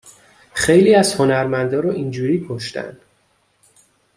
خیلی از هنرمندا رو اینجوری کشتن